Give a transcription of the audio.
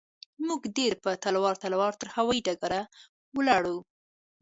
موږ ډېر په تلوار تلوار تر هوايي ډګره ولاړو.